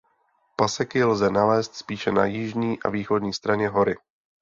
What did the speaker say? Paseky lze nalézt spíše na jižní a východní straně hory.